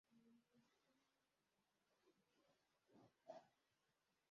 utegetswe guhindura imyenda y’imbere igihe wanyagiwe cyangwa wabize ibyuya